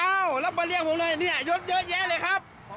อ้าวแล้วมาเรียกผมเลยเนี่ยยดเยอะแยะเลยครับ